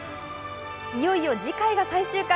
いよいよ次回が最終回。